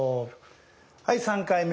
はい３回目。